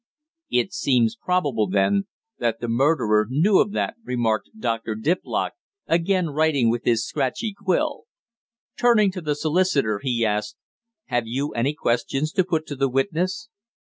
"It seems probable, then, that the murderer knew of that," remarked Dr. Diplock, again writing with his scratchy quill. Turning to the solicitor, he asked, "Have you any questions to put to the witness?"